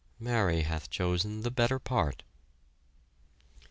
"Mary hath chosen the better part."